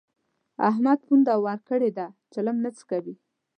احمد پونده ورکړې ده؛ چلم نه څکوي.